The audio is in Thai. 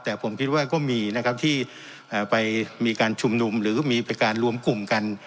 แต่ผมคิดว่าก็มีนะครับที่ไปมีการชุมนุมหรือมีการรวมกลุ่มกัน